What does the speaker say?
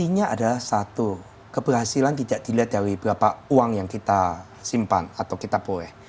intinya adalah satu keberhasilan tidak dilihat dari berapa uang yang kita simpan atau kita boleh